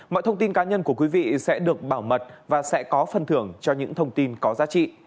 mọi thông tin cá nhân của quý vị sẽ được bảo mật và sẽ có phần thưởng cho những thông tin có giá trị